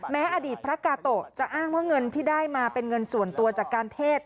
อดีตพระกาโตะจะอ้างว่าเงินที่ได้มาเป็นเงินส่วนตัวจากการเทศ